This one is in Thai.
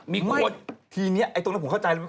มีคนไม่ทีนี้ไอ้ตรงนั้นผมเข้าใจเลย